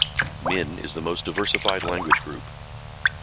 Min is the most diversified language group.